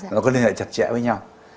nó có liên lạc chặt chẽ với nhau